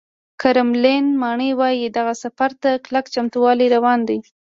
کرملین ماڼۍ وایي، دغه سفر ته کلک چمتووالی روان دی